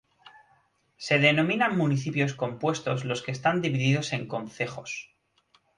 Se denominan municipios compuestos los que están divididos en concejos.